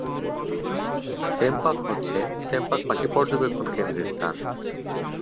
সেমপাখ হচ্ছে সেমপাখ পাখি পর্যবেক্ষণ কেন্দ্রের স্থান।